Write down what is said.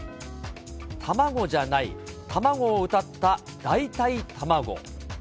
卵じゃない卵をうたった代替たまご。